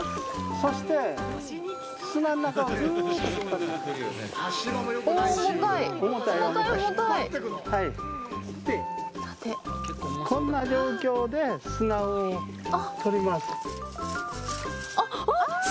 さてこんな状況で砂を取ります。